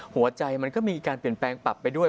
หัวใจมันก็มีการเปลี่ยนแปลงปรับไปด้วย